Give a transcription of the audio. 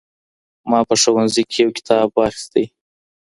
ما په ښوونځي کي يو کتاب واخیست.